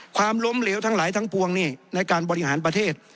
ความล้มเหลวทั้งหลายทั้งปวงในการบริหารประเทศ